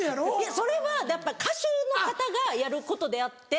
それは歌手の方がやることであって。